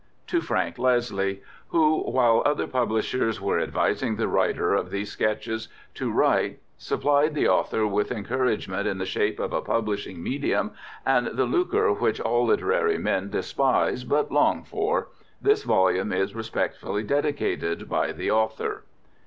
To FRANK LESLIE, Who, while other publishers were advising the writer of these sketches to write, supplied the author with encouragement in the shape of a publishing medium and the lucre which all literary men despise but long for, this volume is respectfully dedicated by THE AUTHOR.